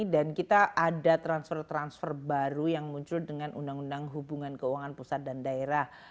dan kita ada transfer transfer baru yang muncul dengan undang undang hubungan keuangan pusat dan daerah